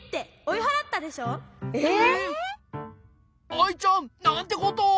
アイちゃんなんてことを！